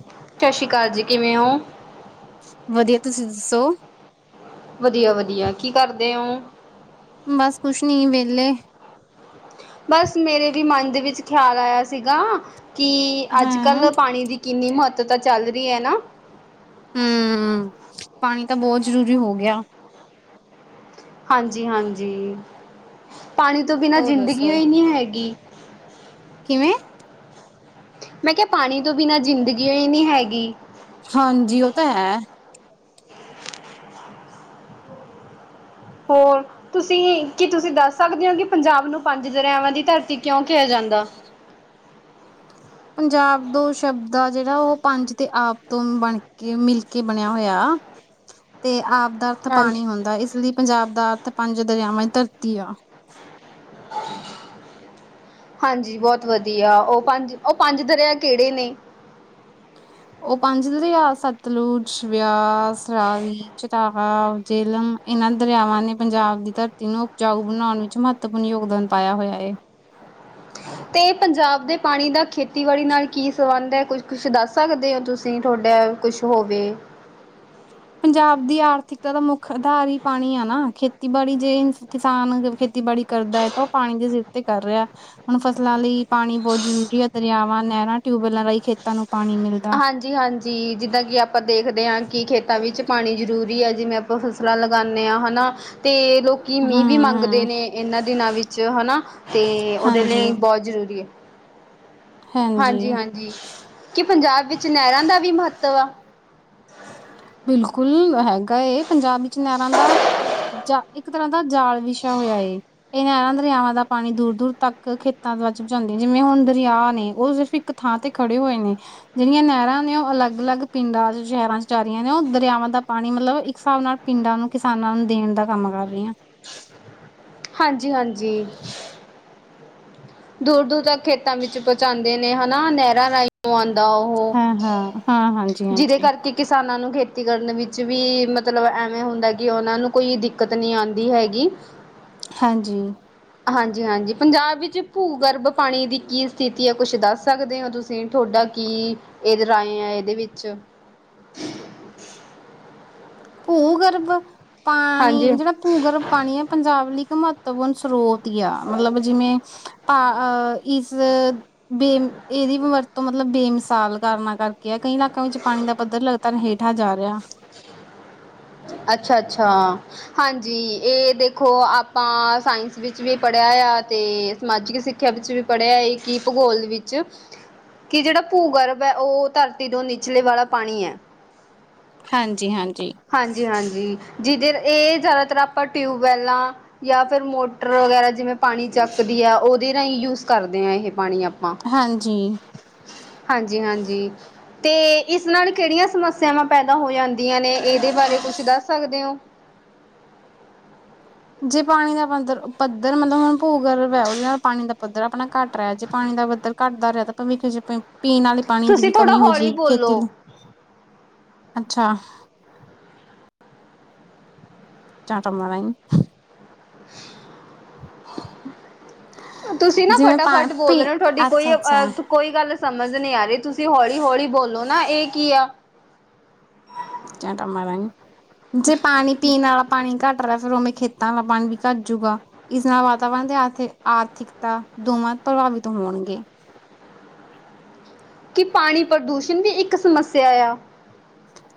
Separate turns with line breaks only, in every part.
'ਸਤਿ ਸ੍ਰੀ ਅਕਾਲ ਜੀ' ਕਿਵੇਂ ਹੋ।
ਵਧੀਆ ਤੁਸੀਂ ਦੱਸੋ।
ਵਧੀਆ, ਵਧੀਆ ਕੀ ਕਰਦੇ ਹੋਂ।
ਬਸ ਕੁਛ ਨੀ ਵਿਹਲੇ।
ਬਸ ਮੇਰੇ ਵੀ ਮਨ ਦੇ ਵਿੱਚ ਖਿਆਲ ਆਇਆ ਸੀਗਾ ਕਿ ਅੱਜ
ਹਾਂ
ਕੱਲ੍ਹ ਪਾਣੀ ਦੀ ਕਿੰਨੀ ਮਹੱਤਤਾ ਚੱਲ ਰਹੀ ਹੈ ਨਾ
ਹਮ ਪਾਣੀ ਤਾਂ ਬਹੁਤ ਜ਼ਰੂਰੀ ਹੋ ਗਿਆ।
ਹਾਂਜੀ, ਹਾਂਜੀ ਪਾਣੀ ਤੋਂ ਬਿਨਾਂ
ਹੋਰ ਦੱਸੋ
ਜ਼ਿੰਦਗੀਉਹ ਹੀ ਨਹੀਂ ਹੈਗੀ।
ਕਿਵੇਂ
ਮੈਂ ਕਿਹਾ ਪਾਣੀ ਤੋਂ ਬਿਨਾਂ ਜ਼ਿੰਦਗੀਔ ਹੀ ਨਹੀਂ ਹੈਗੀ।
ਹਾਂਜੀ ਉਹ ਤਾਂ ਹੈ।
ਹੋਰ ਤੁਸੀਂ ਕੀ ਤੁਸੀਂ ਦੱਸ ਸਕਦੇ ਹੋ, ਕਿ ਪੰਜਾਬ ਨੂੰ ਪੰਜ ਦਰਿਆਵਾਂ ਦੀ ਧਰਤੀ ਕਿਉਂ ਕਿਹਾ ਜਾਂਦਾ।
ਪੰਜਾਬ ਦੋ ਸ਼ਬਦ ਆ ਜਿਹੜਾ, ਉਹ ਪੰਜ ਤੇ ਆਪ ਤੋਂ ਬਣਕੇ ਮਿਲ ਕੇ ਬਣਿਆ ਹੋਇਆ। ਤੇ ਆਪ ਦਾ ਅਰਥ
ਹਾਂਜੀ
ਪਾਣੀ ਹੁੰਦਾ ਇਸ ਲਈ ਪੰਜਾਬ ਦਾ ਅਰਥ ਪੰਜ ਦਰਿਆਵਾਂ ਦੀ ਧਰਤੀ ਆ। [inaudible]
ਹਾਂਜੀ ਬਹੁਤ ਵਧੀਆ, ਉਹ ਪੰਜ ਉਹ ਪੰਜ ਦਰਿਆ ਕਿਹੜੇ ਨੇ
ਉਹ ਪੰਜ ਦਰਿਹਾ ਸਤਲੁਜ, ਵਿਆਸ, ਰਾਹੀ। ਤਾਹਾ, ਜੇਲਮ ਇਹਨਾਂ ਦਰਿਆਵਾਂ ਨੇ ਪੰਜਾਬ ਦੀ ਧਰਤੀ ਨੂੰ ਉਪਜਾਊ ਬਣਾਉਣ ਵਿੱਚ ਮਹੱਤ ਯੋਗਦਾਨ ਪਾਇਆ ਹੋਇਆ ਏ।
ਤੇ ਪੰਜਾਬ ਦੇ ਪਾਣੀ ਦਾ ਖੇਤੀਬਾੜੀ ਨਾਲ ਕੀ ਸੰਬੰਧ ਹੈ। ਕੁਝ, ਕੁਛ ਦੱਸ ਸਕਦੇ ਹੋ ਤੁਸੀਂ ਤੁਹਾਡੇ ਕੁਛ ਹੋਵੇ
ਪੰਜਾਬ ਦੀ ਆਰਥਿਕਤਾ ਦਾ ਮੁੱਖ ਆਧਾਰ ਹੀ ਪਾਣੀ ਆ ਨਾ। ਖੇਤੀਬਾੜੀ ਜੇ ਕਿਸਾਨ ਖੇਤੀਬਾੜੀ ਕਰਦਾ ਹੈ, ਉਹ ਪਾਣੀ ਦੇ ਸਿਰ ਤੇ ਕਰ ਰਿਹਾ ਹੁਣ ਫਸਲਾਂ ਲਈ ਪਾਣੀ ਬਹੁਤ ਜ਼ਰੂਰੀ ਹੈ ਦਰਿਆਵਾਂ, ਨਹਿਰਾਂ, ਟਿਊਬਵੈਲਾਂ ਰਾਹੀਂ ਖੇਤਾਂ ਨੂੰ ਪਾਣੀ ਮਿਲਦਾ।
ਹਾਂਜੀ ਹਾਂਜੀ ਜਿੱਦਾਂ ਕਿ ਆਪਾਂ ਦੇਖਦੇ ਹਾਂ ਕਿ ਖੇਤਾਂ ਵਿੱਚ ਪਾਣੀ ਜ਼ਰੂਰੀ ਹੈ ਜਿਵੇਂ ਆਪਾਂ ਫਸਲਾਂ ਲਗਾਉਂਦੇ ਹਾਂ ਹਨਾ ਤੇ ਲੋਕ ਕਿ
ਹੂੰ
ਮੀਂਹ ਵੀ ਮੰਗਦੇ
ਹੂੰ
ਨੇ ਇਹਨਾਂ ਦਿਨਾਂ ਵਿੱਚ ਹਨਾ ਤੇ ਉਹਦੇ
ਹਾਂਜੀ
ਲਈ ਬਹੁਤ ਜ਼ਰੂਰੀ ਹੈ ਹਾਂਜੀ ਹਾਂਜੀ ਕਿ ਪੰਜਾਬ ਵਿੱਚ ਨਹਿਰਾਂ ਦਾ ਵੀ ਮਹੱਤਵ ਆ
ਬਿਲਕੁਲ ਹੈਗਾ ਪੰਜਾਬ ਵਿੱਚ ਨਹਿਰਾਂ ਦਾ ਜਾਂ ਇੱਕ ਤਰ੍ਹਾਂ ਦਾ ਜਾਲ ਵਿਸ਼ਾ ਹੋਇਆ ਏ ਇਹ ਨਹਿਰਾਂ ਦਰਿਆਵਾਂ ਦਾ ਪਾਣੀ ਦੂਰ ਦੂਰ ਤੱਕ ਖੇਤਾਂ ਪਹੁੰਚਾਉਂਦੇ ਜਿਵੇਂ ਹੁਣ ਦਰਿਆ ਨੇ ਉਹ ਸਿਰਫ਼ ਇੱਕ ਥਾਂ ਤੇ ਖੜੇ ਹੋਏ ਨੇ ਜਿਹੜੀਆਂ ਨਹਿਰਾਂ ਨੇ ਉਹ ਅਲੱਗ ਅਲੱਗ ਪਿੰਡਾਂ ਚ ਸ਼ਹਿਰਾਂ ਚ ਜਾ ਰਆਂ ਨੇ ਉਹ ਦਰਿਆਵਾਂ ਦਾ ਪਾਣੀ ਮਤਲਬ ਇੱਕ ਹਿਸਾਬ ਨਾਲ ਪਿੰਡਾਂ ਨੂੰ ਕਿਸਾਨਾਂ ਨੂੰ ਦੇਣ ਦਾ ਕੰਮ ਕਰ ਰਹੀ ਹਾਂ
ਹਾਂਜੀ ਹਾਂਜੀ ਦੂਰ ਦੂਰ ਤੱਕ ਖੇਤਾਂ ਵਿੱਚ ਪਹੁੰਚਾਉਂਦੇ ਨੇ ਹਨਾ ਨਹਿਰਾਂ ਰਾਹੀਂ ਆਉਂਦਾ ਉਹ
ਹਾਂ-ਹਾਂ। ਹਾਂ ਹਾਂਜੀ-ਹਾਂਜੀ,
ਜਿਹਦੇ
ਹਾਂਜੀ।
ਕਰਕੇ ਕਿਸਾਨਾਂ ਨੂੰ ਖੇਤੀ ਕਰਨ ਵਿੱਚ ਵੀ ਮਤਲਬ ਐਵੇਂ ਹੁੰਦਾ ਕਿ ਉਹਨਾਂ ਨੂੰ ਕੋਈ ਦਿੱਕਤ ਨਹੀਂ ਆਉਂਦੀ ਹੈਗੀ
ਹਾਂਜੀ
ਹਾਂਜੀ ਹਾਂਜੀ ਪੰਜਾਬ ਵਿੱਚ ਭੂਗਰਭ ਪਾਣੀ ਦੀ ਕੀ ਸਥਿਤੀ ਹੈ ਕੁਛ ਦੱਸ ਸਕਦੇ ਹੋ ਤੁਸੀਂ ਤੁਹਾਡਾ ਕੀ ਇਹਦੇ ਰਾਏ ਆ ਇਹਦੇ ਵਿੱਚ
ਭੂਗਰਭ
ਹਾਂਜੀ
ਪਾਣੀ ਜਿਹੜਾ ਭੂਗਰਭ ਪਾਣੀ ਆ ਪੰਜਾਬ ਲਈ ਇੱਕ ਮਹੱਤਵਪੂਰਨ ਸਰੋਤ ਆ ਮਤਲਬ ਜਿਵੇਂ ਤਾਂ ਇਸ ਬੇਮ ਇਹਦੀ ਵਰਤੋਂ ਮਤਲਬ ਬੇਮਿਸਾਲ ਕਾਰਨਾਂ ਕਰਕੇ ਕਿਹਾ ਕਈ ਇਲਾਕਿਆਂ ਵਿੱਚ ਪਾਣੀ ਦਾ ਪੱਧਰ ਲਗਾਤਾਰ ਹੇਠਾਂ ਜਾ ਰਿਹਾ
ਅੱਛਾ ਅੱਛਾ ਹਾਂਜੀ ਇਹ ਦੇਖੋ ਆਪਾਂ ਸਾਇੰਸ ਵਿੱਚ ਵੀ ਪੜ੍ਹਿਆ ਆ ਅਤੇ ਸਮਾਜਿਕ ਸਿੱਖ ਸਿੱਖਿਆ ਵਿੱਚ ਵੀ ਪੜ੍ਹਿਆ ਹੈ ਕਿ ਭੂਗੋਲ ਵਿੱਚ ਕਿ ਜਿਹੜਾ ਭੂਗਰਭ ਹੈ ਉਹ ਧਰਤੀ ਤੋਂ ਨਿਚਲੇ ਵਾਲਾ ਪਾਣੀ ਹੈ
ਹਾਂਜੀ ਹਾਂਜੀ
ਹਾਂਜੀ ਹਾਂਜੀ ਜਿਹਦੇ ਇਹ ਜ਼ਿਆਦਾਤਰ ਆਪਾਂ ਟਿਊਬਵੈੱਲਾਂ ਜਾਂ ਫਿਰ ਮੋ ਮੋਟਰ ਵਗੈਰਾ ਜਿਵੇਂ ਪਾਣੀ ਚੱਕਦੀ ਹੈ ਉਹਦੇ ਰਾਹੀਂ ਯੂਜ਼ ਕਰਦੇ ਹਾਂ ਇਹ ਪਾਣੀ ਆਪਾਂ
ਹਾਂਜੀ
ਹਾਂਜੀ ਹਾਂਜੀ ਤੇ ਇਸ ਨਾਲ ਕਿਹੜੀਆਂ ਸਮੱਸਿਆਵਾਂ ਪੈਦਾ ਹੋ ਜਾਂਦੀਆਂ ਨੇ ਇਹਦੇ ਬਾਰੇ ਕੁਛ ਦੱਸ ਸਕਦੇ ਹੋ
ਜੇ ਪਾਣੀ ਦਾ ਬੰਦਰ ਪੱਧਰ ਮਤਲਬ ਹੁਣ ਭੂਗਰਭ ਹੈ ਉਹਦੇ ਨਾਲ ਪਾਣੀ ਦਾ ਪੱਧਰ ਆਪਣਾ ਘੱਟ ਰਿਹਾ ਜੇ ਪਾਣੀ ਦਾ ਪੱਧਰ ਘੱਟਦਾ ਰਿਹਾ ਤਾਂ ਭਵਿੱਖ ਚ ਪੀਣ ਵਾਲੇ ਪਾਣੀ ਦੀ
ਤੁਸੀਂ
ਵੀ
ਥੋੜਾ
ਕਮੀ ਹੋ
ਹੌਲੀ
ਜਾਏਗੀ
ਬੋਲੋ
ਖੇਤੀ ਲਈ ਅੱਛਾ ਚਟੋ ਮਲਾਈ
[unintelligible] ਤੁਸੀਂ ਨਾ
ਜਿਵੇਂ ਪਾ
ਫਟਾਫਟ
ਪੀ
ਬੋਲਦੇ ਰਹੇ ਹੋ ਤੁਹਾਡੀ ਕੋਈ
ਅੱਛਾ-ਅੱਛਾ
ਅਹ ਕੋਈ ਗੱਲ ਸਮਝ ਨਹੀਂੀ ਆ ਰਹੀ ਤੁਸੀਂ ਹੌਲੀ ਹੌਲੀ ਬੋਲੋ ਨਾ ਇਹ ਕੀ ਆ
ਚਿਆ ਟਮਾਹੀਂ ਜੇ ਪਾਣੀ ਪੀਣ ਵਾਲਾ ਪਾਣੀ ਘੱਟ ਰਿਹਾ ਫਿਰਰ ਉਵੇਂ ਖੇਤਾਂ ਵਾਲਾ ਪਾਣੀ ਵੀ ਘੱਟ ਜੂਗਾ ਇਸ ਨਾਲ ਵਾਤਾਵਰਨ ਤੇ ਆਥ ਆਰਥਿਕਤਾ ਦੋਵਾਂ ਪ੍ਰਭਾਵਿਤ ਹੋਣਗੇ
ਕਿ ਪਾਣੀ ਪ੍ਰਦੂਸ਼ਣ ਦੀ ਇੱਕ ਸਮੱਸਿਆ ਆ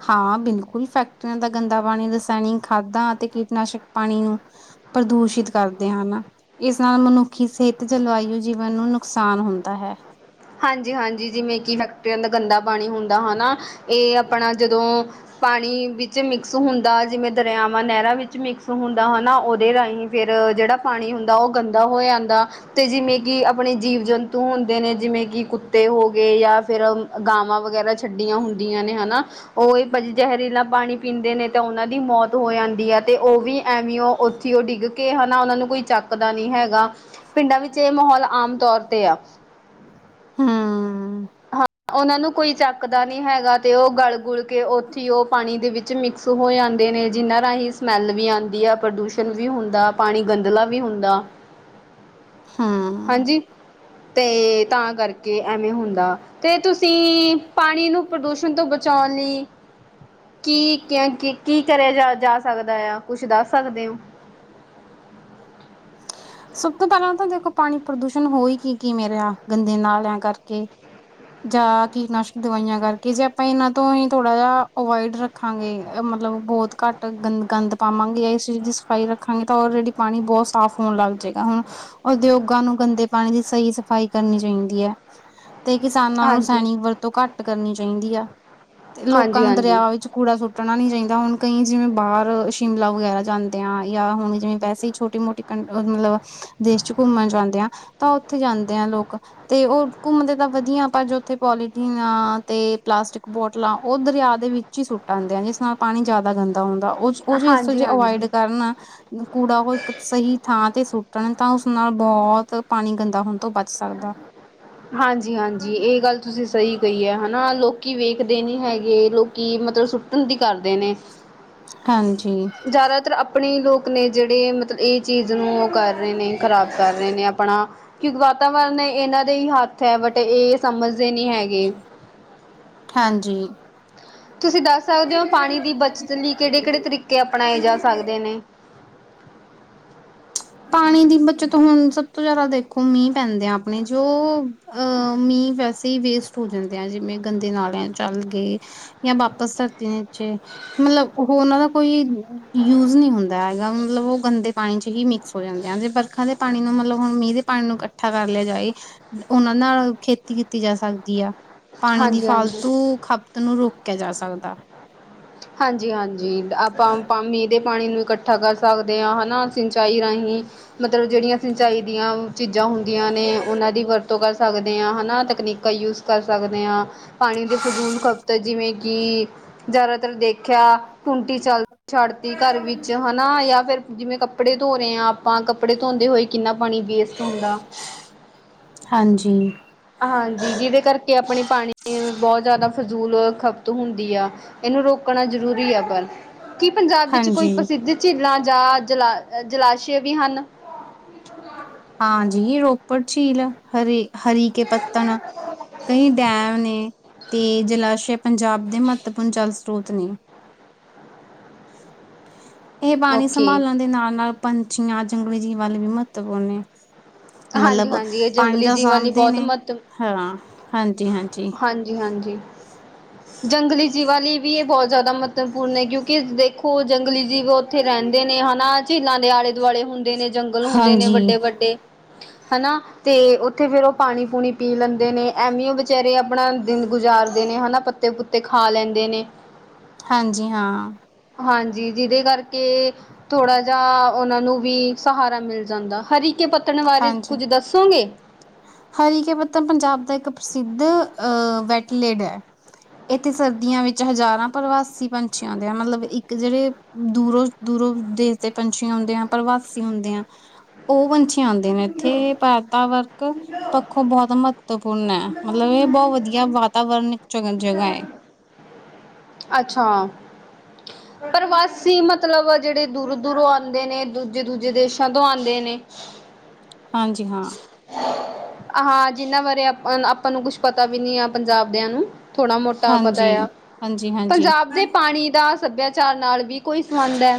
ਹਾਂ ਬਿਲਕੁਲ ਫੈਕਟਰੀਆਂ ਦਾ ਗੰਦਾ ਪਾਣੀ ਰਸਾਇਣਿਕ ਖਾਦਾਂ ਅਤੇ ਕੀਟਨਾਸ਼ਕ ਪਾਣੀ ਨੂੰ ਪ੍ਰਦੂਸ਼ਿਤ ਕਰਦੇ ਹਨ ਇਸ ਨਾਲ ਮਨੁੱਖੀ ਸਿਹਤ ਜਲਵਾਯੂ ਜੀਵਨ ਨੂੰ ਨੁਕਸਾਨ ਹੁੰਦਾ ਹੈ
ਹਾਂਜੀ ਹਾਂਜੀ ਜਿਵੇਂ ਕਿ ਫੈਕਟਰੀਆਂ ਦਾ ਗੰਦਾ ਪਾਣੀ ਹੁੰਦਾ ਹਨਾ ਇਹ ਆਪਣਾ ਜਦੋਂ ਪਾਣੀ ਵਿੱਚ ਮਿਕਸ ਹੁੰਦਾ ਜਿਵੇਂ ਦਰਿਆਵਾਂ ਨਹਿਰਾਂ ਵਿੱਚ ਮਿਕਸ ਹੁੰਦਾ ਹਨ ਨਾ ਉਹਦੇ ਰਾਹੀਂ ਫਿਰ ਜਿਹੜਾ ਪਾਣੀ ਹੁੰਦਾ ਉਹ ਗੰਦਾ ਹੋ ਜਾਂਦਾ ਤੇ ਜਿਵੇਂ ਕਿ ਆਪਣੇ ਜੀਵ ਜੰਤੂ ਹੁੰਦੇ ਨੇ ਜਿਵੇਂ ਕਿ ਕਿ ਕੁੱਤੇ ਹੋ ਗਏ ਯਾਂ ਫਿਰ ਗਾਵਾਂ ਵਗੈਰਾ ਛੱਡੀਆਂ ਹੁੰਦੀਆਂ ਨੇ ਹਨਾ ਉਹਜੀ ਜ਼ਹਿਰੀਲਾ ਪਾਣੀ ਪੀਂਦੇ ਨੇ ਤਾਂ ਉਹਨਾਂ ਦੀ ਮੌਤ ਹੋ ਜਾਂਦੀ ਹੈ ਤੇ ਉਹ ਵੀ ਐਵੇਂ ਉੱਥੇ ਉਹ ਡਿੱਗ ਕੇ ਹੈ ਨਾ ਉਹਨਾਂ ਨੂੰ ਕੋਈ ਚੱਕਦਾ ਨਹੀਂ ਹੈਗਾ ਪਿੰਡਾਂ ਵਿੱਚ ਇਹ ਮਾਹੌਲ ਆਮ ਤੌਰ ਤੇ ਆ
ਹਮ
ਹਾਂ ਉਹਨਾਂ ਨੂੰ ਕੋਈ ਚੱਕਦਾ ਨੀ ਹੈਗਾ ਤੇ ਉਹ ਗਲ ਗੁਲ ਕੇ ਉੱਥੇ ਉਹ ਪਾਣੀ ਦੇ ਵਿੱਚ ਮਿਕਸ ਹੋ ਜਾਂਦੇ ਨੇ ਜਿਨ੍ਹਾਂ ਰਾਹੀਂ ਸਮੈਲ ਵੀ ਆਉਂਦੀ ਆ ਪ੍ਰਦੂਸ਼ਣ ਵੀ ਹੁੰਦਾ ਪਾਣੀ ਗੰਦਲਾ ਵੀ ਹੁੰਦਾ
[inaudible] ਹੂੰ।
ਹਾਂਜੀ ਤੇ ਤਾਂ ਕਰਕੇ ਐਵੇਂ ਹੁੰਦਾ ਤੇ ਤੁਸੀਂ ਪਾਣੀ ਨੂੰ ਪ੍ਰਦੂਸ਼ਣ ਤੋਂ ਬਚਾਉਣ ਲਈ ਕੀ ਕੀ ਕਰਿਆ ਜਾ ਜਾ ਸਕਦਾ ਆ ਕੁਛ ਦੱਸ ਸਕਦੇ ਹੋ
[inaudible] ਸਭ ਤੋਂ ਪਹਿਲਾਂ ਤਾਂ ਦੇਖੋ ਪਾਣੀ ਪ੍ਰਦੂਸ਼ਣ ਹੋ ਹੀ ਕੀ ਕੀ ਮੇਰੇ ਆ ਗੰਦੇ ਨਾਲਿਆਂ ਕਰਕੇ ਜਾਂ ਕੀਟਨਾਸ਼ਕ ਦਵਾਈਆਂ ਕਰਕੇ ਜੇ ਆਪਾਂ ਇਹਨਾਂ ਤੋਂ ਹੀ ਥੋੜਾ ਜਿਹਾ ਅਵੋਇਡ ਰੱਖ ਰੱਖਾਂਗੇ ਮਤਲਬ ਬਹੁਤ ਘੱਟ ਗੰਦ ਗੰਦ ਪਾਵਾਂਗੇ ਇਸ ਚੀਜ਼ ਦੀ ਪਾਈ ਰੱਖਾਂਗੇ ਤਾਂ ਆਲਰੇਡੀ ਪਾਣੀ ਬਹੁਤ ਸਾਫ ਲੱਗ ਜਾਏਗਾ ਹੁਣ ਉਦਯੋਗਾਂ ਨੂੰ ਗੰਦੇ ਪਾਣੀ ਦੀ ਸਹੀ ਸਫ਼ਾਈ ਕਰਨੀ ਚਾਹੀਦੀ ਹੈ ਤੇ ਕਿਸਾਨਾਂ ਨੂੰ
ਹਾਂਜੀ
ਸੈਨਿਕ ਵਰਤੋਂ ਘੱਟ ਕਰਨੀ ਚਾਹੀਦੀ ਆ ਤੇ ਲੋਕਾਂ
ਹਾਂਜੀ
ਨੂੰ
ਹਾਂਜੀ
ਦਰਿਆ ਵਿੱਚ ਕੂੜਾ ਸੁੱਟਣਾ ਨਹੀਂ ਚਾਹੀਦਾ ਹੁਣ ਕਈ ਜਿਵੇਂ ਬਾਹਰ ਸ਼ਿਮਲਾ ਵਗੈਰਾ ਜਾਂਦੇ ਆ ਜਾਂ ਹੁਣ ਜਿਵੇਂ ਵੈਸੇ ਹੀ ਛੋਟੇ ਮੋਟੇ ਕੰ ਮਤਲਬ ਦੇਸ਼ ਚ ਘੁੰਮਣ ਜਾਂਦੇ ਆ ਤਾਂ ਉੱਥੇ ਜਾਂਦੇ ਆ ਲੋਕ ਤੇ ਉਹ ਘੁੰਮਦੇ ਤਾਂ ਵਧੀਆ ਪਰ ਜੋ ਉੱਥੇ ਪੋਲੀਥਿਨ ਆ ਤੇ ਪਲਾਸਟਿਕ ਬੋਤਲਾਂ ਉਹ ਦਰਿਆ ਦੇ ਵਿੱਚ ਸੁੱਟਉਂਦੇ ਆ ਜਿਸ ਨਾਲ ਪਾਣੀ ਜਿਆਦਾ ਗੰਦਾ ਹੁੰਦਾ ਉਹ ਉਹ ਚ ਇਸ
ਹਾਂਜੀ
ਚੀਜ਼ ਅਵੋਇਡ
ਹਾਂਜੀ
ਕਰਨਾ ਕੂੜਾ ਕੋ ਇੱਕ ਸਹੀ ਥਾਂ ਤੇ ਸੁੱਟਣ ਤਾਂ ਉਸ ਨਾਲ ਬਹੁਤ ਪਾਣੀ ਗੰਦਾ ਹੋਣ ਤੋਂ ਬਚ ਸਕਦਾ
ਹਾਂਜੀ- ਹਾਂਜੀ ਇਹ ਗੱਲ ਤੁਸੀਂ ਸਹੀ ਕਹੀ ਹੈ ਹਨਾ ਲੋਕੀ ਵੇਖਦੇ ਨੀ ਹੈਗੇ ਲੋਕੀ ਮਤਲਬ ਸੁੱਟਣ ਦੀ ਕਰਦੇ ਨੇ
ਹਾਂਜੀ
ਜ਼ਿਆਦਾਤਰ ਆਪਣੇ ਲੋਕ ਨੇ ਜਿਹੜੇ ਮਤਲਬ ਇਹ ਚੀਜ਼ ਨੂੰ ਉਹ ਕਰ ਰਹੇ ਨੇ ਖ਼ਰਾਬ ਕਰ ਰਹੇ ਨੇ ਆਪਣਾ ਕਿਉਂਕਿ ਵਾਤਾਵਰਨ ਇਹਨਾਂ ਦੇ ਹੀ ਹੱਥ ਹੈ ਬਟ ਇਹ ਸਮਝਦੇ ਨਹੀਂ ਹੈਗੇ
ਹਾਂਜੀ
ਤੁਸੀਂ ਦੱਸ ਸਕਦੇ ਹੋ ਪਾਣੀ ਦੀ ਬੱਚਤ ਲਈ ਕਿਹੜੇ ਕਿਹੜੇ ਤਰੀਕੇ ਅਪਣਾਏ ਜਾ ਸਕਦੇ ਨੇ
ਪਾਣੀ ਦੀ ਬੱਚਤ ਹੁਣ ਸਭ ਤੋਂ ਜ਼ਿਆਦਾ ਦੇਖੋ ਮੀਂਹ ਪੈਂਦੇ ਆ ਆਪਣੇ ਜੋ ਅ ਮੀਂਹ ਵੈਸੇ ਵੇਸਟ ਹੋ ਜਾਂਦੇ ਆ ਜਿਵੇਂ ਗੰਦੇ ਨਾਲਿਆਂ ਚੱਲ ਗਏ ਜਾਂ ਵਾਪਸ ਤੱਕ ਤਨ ਚੇ ਮਤਲਬ ਉਹਨਾਂ ਕੋਈ ਯੂਜ ਨਹੀਂ ਹੁੰਦਾ ਹੈਗਾ ਮਤਲਬ ਉਹ ਗੰਦੇ ਪਾਣੀ ਚ ਹੀ ਮਿਕ ਹੋ ਜਾਂਦੇ ਆ ਜੇ ਵਰਖਾ ਦੇ ਪਾਣੀ ਨੂੰ ਮਤਲਬ ਹੁਣ ਮੀਂਹ ਦੇ ਪਾਣੀ ਨੂੰ ਇਕੱਠਾ ਕਰ ਲਿਆ ਜਾਏ ਉਹਨਾਂ ਨਾਲ ਖੇਤੀ ਕੀਤੀ ਜਾ ਸਕਦੀ ਆ ਪਾਣੀ ਦੀ
ਹਾਂਜੀ-ਹਾਂਜੀ
ਫਾਲਤੂ ਖਪਤ ਨੂੰ ਰੋਕਿਆ ਜਾ ਸਕਦਾ
ਹਾਂਜੀ ਹਾਂਜੀ ਆਪਾਂ ਮੀਂਹ ਦੇ ਪਾਣੀ ਨੂੰ ਇਕੱਠਾ ਕਰ ਸਕਦੇ ਹਾਂ ਹਨਾ ਸਿੰਚਾਈ ਰਾਹੀਂ ਮਤਲਬ ਜਿਹੜੀਆਂ ਸਿੰਚਾਈ ਦੀਆਂ ਚੀਜ਼ਾਂ ਹੁੰਦੀਆਂ ਨੇ ਉਹਨਾਂ ਦੀ ਵਰਤੋਂ ਕਰ ਸਕਦੇ ਹਾਂ ਹੈ ਨਾ ਤਕਨੀਕਾਂ ਯੂਜ ਕਰ ਸਕਦੇ ਹਾਂ ਪਾਣੀ ਦੇ ਫਜ਼ੂਲ ਖਪਤ ਜਿਵੇਂ ਕਿ ਜ਼ਿਆਦਾਤਰ ਦੇਖਿਆ ਟੁੰਟੀ ਚੱਲ ਛੱਡ ਤੀ ਘਰ ਵਿੱਚ ਹਨਾ ਜਾਂ ਫਿਰ। ਜਿਵੇਂ ਕੱਪੜੇ ਧੋ ਰਹੇ ਹਾਂ ਆਪਾਂ ਕੱਪੜੇ ਧੋਂਦੇ ਹੋਏ ਕਿੰਨਾ ਪਾਣੀ ਵੇਸਟ ਹੁੰਦਾ ਹੈ।
ਹਾਂਜੀ।
ਹਾਂਜੀ ਜਿਹਦੇ ਕਰਕੇ ਆਪਣੀ ਪਾਣੀ ਬਹੁਤ ਜ਼ਿਆਦਾ ਫਜ਼ੂਲ ਖਪਤ ਹੁੰਦੀ ਆ। ਇਹਨੂੰ ਰੋਕਣਾ ਜ਼ਰੂਰੀ ਹੈ। ਪਰ ਕੀ ਪੰਜਾਬ ਵਿੱਚ ਕੋਈ
ਹਾਂਜੀ
ਪ੍ਰਸਿੱਧ। ਝੀਲਾਂ ਜਾਂ ਜਲਾ ਜਲਾਸ਼ੇ ਵੀ ਹਨ।
ਹਾਂਜੀ ਰੋਪੜ ਝੀਲ ਹਰੇ। ਹਰੀ ਕੇ ਪੱਤਣ ਕਈ ਡੈਮ ਨੇ ਤੇ ਜਲਾਸ਼ਯ। ਪੰਜਾਬ ਦੇ ਮਹੱਤਵਪੂਰਨ ਜਲ ਸਰੋਤ ਨੇ। ਇਹ ਪਾਣੀ
ਓਕੇ
ਸੰਭਾਲਣ ਦੇ ਨਾਲ ਨਾਲ ਪੰਛੀਆਂ ਜੰਗਲੀ ਜੀਵਾਂ ਲਈ ਵੀ ਮਹੱਤਵਪੂਰਨ ਹੈ।
ਹਾਂਜੀ
ਮਤਲਬ
ਹਾਂਜੀ ਇਹ
ਪਾਣੀ
ਜੰਗਲੀ
ਤਾਂ
ਜੀਵਾਂ ਲਈ
ਸਾਂਭਦੇ
ਬਹੁਤ
ਨੇ।
ਮਹੱਤਵ
ਹਾਂ ਹਾਂਜੀ-ਹਾਂਜੀ।
ਹਾਂਜੀ ਹਾਂਜੀ ਜੰਗਲੀ ਜੀਵਾਂ ਲਈ ਵੀ ਇਹ ਬਹੁਤ ਜ਼ਿਆਦਾ ਮਹੱਤਵਪੂਰਨ ਹੈ ਕਿਉਂਕਿ ਦੇਖੋ ਜੰਗਲੀ ਜੀਵ ਉੱਥੇ ਰਹਿੰਦੇ ਨੇ ਹਨਾ ਝੀਲਾਂ ਦੇ ਆਲੇ ਦੁਆਲੇ ਹੁੰਦੇ ਨੇ ਜੰਗਲ ਹੁੰਦੇ ਨੇ
ਹਾਂਜੀ
ਵੱਡੇ-ਵੱਡੇ ਹਨਾ ਤੇ ਉੱਥੇ ਫੇਰ ਉਹ ਪਾਣੀ-ਪੂਣੀ ਪੀ ਲੈਂਦੇ ਨੇ ਐਵੇਂਓ ਵਿਚਾਰੇ ਆਪਣਾ ਦਿਨ ਗੁਜ਼ਾਰਦੇ ਨੇ ਹਨਾ ਪੱਤੇ ਪੁੱਤੇ ਖਾ ਲੈਂਦੇ ਨੇ।
ਹਾਂਜੀ ਹਾਂ।
ਹਾਂਜੀ ਜਿਹਦੇ ਕਰਕੇ ਥੋੜਾ ਜਹਾ ਉਹਨਾਂ ਨੂੰ ਵੀ ਸਹਾਰਾ ਮਿਲ ਜਾਂਦਾ, ਹਰੀਕੇ ਪੱਤਣ ਬਾਰੇ ਕੁੱਝ ਦੱਸੋਗੇ?
ਹਰੀਕੇ ਪੱਤਣ ਪੰਜਾਬ ਦਾ ਇੱਕ ਪ੍ਰਸਿੱਧ ਅਹ ਵੈਟਲੇਡ ਹੈ। ਇੱਥੇ ਸਰਦੀਆਂ ਵਿੱਚ ਹਜ਼ਾਰਾਂ ਪ੍ਰਵਾਸੀ ਪੰਛੀਆਂ ਆਉਂਦੇ ਮਤਲਬ ਇੱਕ ਜਿਹੜੇ ਦੂਰੋਂ-ਦੂਰੋਂ ਦੇਸ਼ ਦੇ ਪੰਛੀ ਆਉਂਦੇ ਆ ਪ੍ਰਵਾਸੀ ਹੁੰਦੇ ਆ ਉਹ ਪੰਛ ਛੀ ਆਉਂਦੇ ਨੇ ਇੱਥੇ [unintelligible] ਵਰਕ। ਪੱਖੋਂ ਬਹੁਤ ਮਹੱਤਵਪੂਰਨ ਹੈ ਮਤਲਬ ਇਹ ਬਹੁਤ ਵਧੀਆ ਵਾਤਾਵਰਨ ਇੱਕ [unintelligible] ਜਗ੍ਹਾ ਹੈ।
ਅੱਛਾ। ਪ੍ਰਵਾਸੀ ਮਤਲਬ ਜਿਹੜੇ ਦੂਰੋਂ-ਦੂਰੋਂ ਆਦੇ ਨੇ ਦੂਜੇ-ਦੂਜੇ ਦੇਸ਼ਾਂ ਤੋਂ ਆਦੇ ਨੇ।
ਹਾਂਜੀ ਹਾਂ।
ਹਾਂ ਜਿੰਨਾਂ ਬਾਰੇ ਆਪ ਆਪਾਂ ਨੂੰ ਕੁਛ ਪਤਾ ਵੀ ਨੀ ਆ ਪੰਜਾਬ ਦਿਆਂ ਨੂੰ। ਥੋੜ੍ਹਾ ਮੋਟਾ ਪਤਾ
ਹਾਂਜੀ
ਆ
ਹਾਂਜੀ ਹਾਂਜੀ
ਪੰਜਾਬ ਦੇ ਪਾਣੀ ਦਾ ਸੱਭਿਆਚਾਰ ਨਾਲ ਵੀ ਕੋਈ ਸੰਬੰਧ ਹੈ।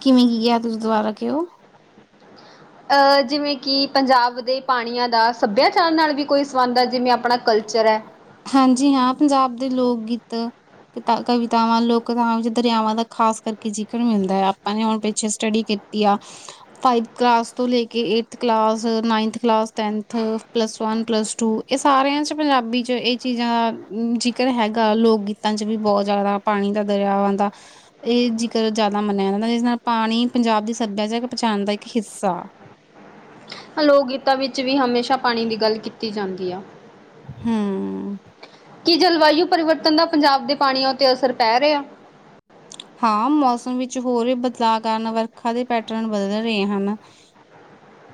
ਕਿਵੇਂ ਕਿਆ ਤੁਸੀਂ ਦੁਬਾਰਾ ਕਿਹੋ।
ਅਹ ਜਿਵੇਂ ਕਿ ਪੰਜਾਬ ਦੇ ਪਾਣੀਆਂ ਦਾ ਸੱਭਿਆਚਾਰ ਨਾਲ ਵੀ ਕੋਈ ਸਬੰਧ ਹੈ ਜਿਵੇਂ ਆਪਣਾ ਕਲਚਰ ਹੈ।
ਹਾਂਜੀ ਹਾਂ ਪੰਜਾਬ ਦੇ ਲੋਕ ਗੀਤ ਤਾ ਕਵਿਤਾਵਾਂ ਲੋਕ ਕਥਾਵਾਂ ਵਿੱਚ ਦਰਿਆਵਾਂ ਦਾ ਖਾਸ ਕਰਕੇ ਜ਼ਿਕਰ ਮਿਲਦਾ ਹੈ ਆਪਾਂ ਨੇ ਹੁਣ ਪਿੱਛੇ ਸਟੱਡੀ ਕੀ ਤੀ ਆ ਫਾਈਵ ਕਲਾਸ ਤੋਂ ਲੈਕੇ eighth class, ninth class, tenth plus one, plus two ਇਹ ਸਾਰਿਆਂ ਚ ਪੰਜਾਬੀ ਚ ਇਹ ਚੀਜ਼ਾਂ ਦਾ ਜ਼ਿਕਰ ਹੈਗਾ ਲੋਕ ਗੀਤਾਂ ਚ ਵੀ ਬਹੁਤ ਜ਼ਿਆਦਾ ਪਾਣੀ ਦਾ ਦਰਿਆਵਾਂ ਦਾ ਇਹ ਜਿਕਰ ਜ਼ਿਆਦਾ ਮੰਨਿਆ ਜਾਂਦਾ ਹੈ ਜਿਸ ਨਾਲ ਪਾਣੀ ਪੰਜਾਬ ਦੀ ਸੱਭਿਆਚਾਰਕ ਪਛਾਣ ਦਾ ਇੱਕ ਹਿੱਸਾ
ਲੋਕ ਗੀਤਾਂ ਵਿੱਚ ਵੀ ਹਮੇਸ਼ਾ ਪਾਣੀ ਦੀ ਗੱਲ ਕੀਤੀ ਜਾਂਦੀ ਆ।
ਹੂੰ।
ਕੀ ਜਲਵਾਯੂ ਪਰਿਵਰਤਨ ਦਾ ਪੰਜਾਬ ਦੇ ਪਾਣੀਆਂ ਉੱਤੇ ਅਸਰ ਪੈ ਰਿਹਾ?
ਹਾਂ ਮੌਸਮ ਵਿੱਚ ਹੋਰ ਵੀ ਬਦਲਾਅ ਕਾਰਨ ਵਰਖਾ ਦੇ ਪੈਟਰਨ ਬਦਲ ਰਹੇ ਹਨ।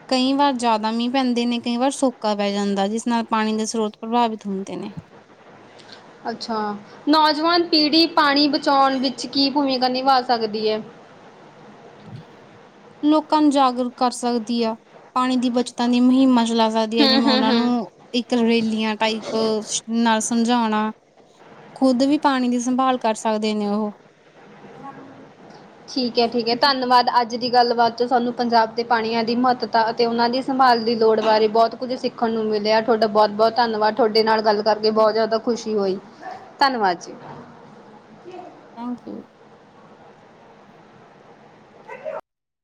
ਕਈ ਵਾਰ ਜਾਦਾ ਮੀਂਹ ਪੈਂਦੇ ਨੇ ਕਈ ਵਾਰ ਸੁੱਕਾ ਪੈ ਜਾਂਦਾ ਜਿਸ ਨਾਲ ਪਾਣੀ ਦੇ ਸਰੋਤ ਪ੍ਰਭਾਵਿਤ ਹੁੰਦੇ ਨੇ।
ਅੱਛਾ ਨੌਜਵਾਨ ਪੀੜ੍ਹੀ ਪਾਣੀ ਬਚਾਉਣ ਵਿੱਚ ਕੀ ਭੂਮਿਕਾ ਨਿਭਾ ਸਕਦੀ ਹੈ?
ਲੋਕਾਂ ਨੂੰ ਜਾਗਰੂਕ ਕਰ ਸਕਦੀ ਆ ਪਾਣੀ ਦੀ ਬੱਚਤਾਂ ਦੀ ਮੁਹਿੰਮਾ ਚਲਾ ਸਕਦੀ ਆ
ਹੂੰ
ਜਿਵੇਂ
ਹੂੰ
ਉਹਨਾਂ
ਹੂੰ
ਨੂੰ ਇੱਕ ਰੈਲੀਆਂ ਟਾਈਪ ਨਾਲ ਸਮਝਾਉਣਾ ਖੁਦ ਵੀ ਪਾਣੀ ਦੀ ਸੰਭਾਲ ਕਰ ਸਕਦੇ ਨੇ ਉਹ।
ਠੀਕ ਹੈ, ਠੀਕ ਹੈ
ਜੀ।
ਧੰਨਵਾਦ ਅੱ ਅੱਜ ਦੀ ਗੱਲਬਾਤ ਚ ਸਾਨੂੰ ਪੰਜਾਬ ਦੇ ਪਾਣੀਆਂ ਦੀ ਮਹੱਤਤਾ ਅਤੇ ਉਹਨਾਂ ਦੀ ਸੰਭਾਲ ਦੀ ਲੋੜ ਬਾਰੇ ਬਹੁਤ ਕੁੱਝ ਸਿੱਖ ਸਖਣ ਨੂੰ ਮਿਲਿਆ ਤੁਹਾਡਾ ਬਹੁਤ ਬਹੁਤ ਧੰਨਵਾਦ ਤੁਹਾਡੇ ਨਾਲ ਗੱਲ ਕਰਕੇ ਬਹੁਤ ਜ਼ਿਆਦਾ ਖੁਸ਼ੀ ਹੋਈ ਧੰਨਵਾਦ ਜੀ
ਥੈਂਕ ਯੂ।